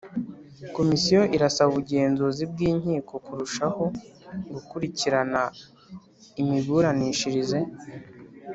komisiyo irasaba ubugenzuzi bw inkiko kurushaho gukurikirana imiburanishirize